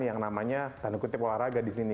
yang namanya tanda kutip olahraga di sini